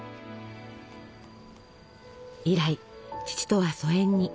以来父とは疎遠に。